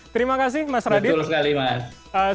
terima kasih mas radit betul sekali mas